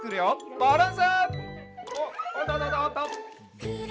バランス！